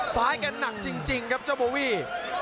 แกหนักจริงครับเจ้าโบวี่